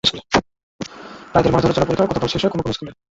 প্রায় দেড় মাস ধরে চলা পরীক্ষা গতকাল শেষ হয়েছে কোনো কোনো স্কুলে।